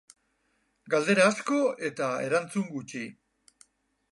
Galdera asko eta erantzun gutxi.